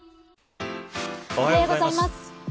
おはようございます。